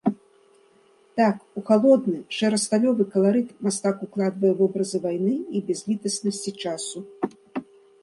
Так, у халодны, шэра-сталёвы каларыт мастак укладвае вобразы вайны і бязлітаснасці часу.